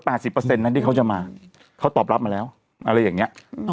สิบเปอร์เซ็นนั้นที่เขาจะมาเขาตอบรับมาแล้วอะไรอย่างเงี้ยอืม